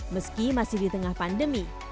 meski masih di tengah pandemi